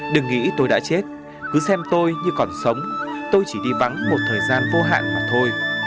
đừng nghĩ tôi đã chết cứ xem tôi như còn sống tôi chỉ đi vắng một thời gian vô hạn mà thôi